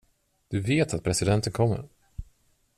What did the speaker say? Du vet att presidenten kommer?